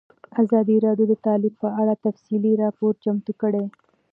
ازادي راډیو د تعلیم په اړه تفصیلي راپور چمتو کړی.